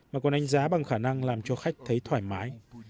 mà còn đánh giá bằng khả năng làm cho khách thấy thoải mái